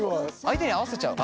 相手に合わせちゃう？